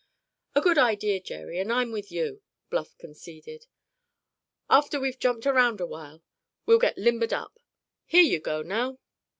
"A good idea, Jerry, and I'm with you," Bluff conceded. "After we've jumped around a while, we'll get limbered up. Here you go, now!"